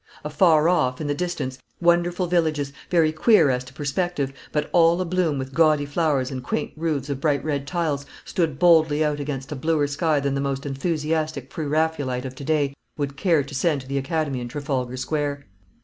Afar off, in the distance, wonderful villages, very queer as to perspective, but all a bloom with gaudy flowers and quaint roofs of bright red tiles, stood boldly out against a bluer sky than the most enthusiastic pre Raphaelite of to day would care to send to the Academy in Trafalgar Square.